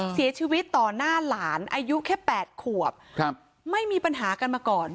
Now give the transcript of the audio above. เสียชีวิตต่อหน้าหลานอายุแค่๘ขวบไม่มีปัญหากันมาก่อน